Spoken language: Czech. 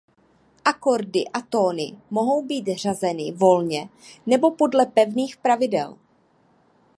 Akordy a tóny mohou být řazeny volně nebo podle pevných pravidel.